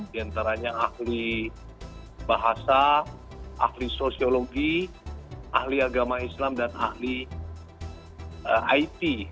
di antaranya ahli bahasa ahli sosiologi ahli agama islam dan ahli it